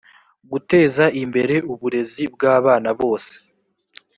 guteza imbere uburezi bw abana bose